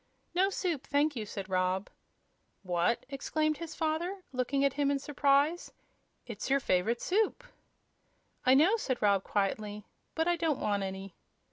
"No soup, thank you," said Rob. "What!" exclaimed his father, looking at him in surprise, "it's your favorite soup." "I know," said Rob, quietly, "but I don't want any."